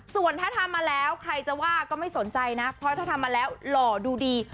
ส่วนถ้าทำมาแล้วใครจะว่าก็ไม่สนใจนะเพราะถ้าทำมาแล้วหล่อดูดี